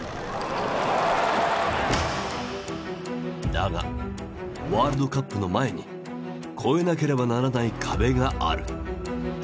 だがワールドカップの前に越えなければならない壁がある。